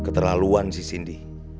keterlaluan sih cindy